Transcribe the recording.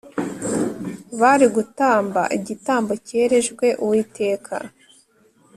bari gutamba igitambo cyerejwe uwiteka